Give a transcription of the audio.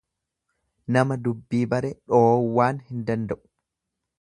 Nama dubbii bare dhoowwaan hin danda'u.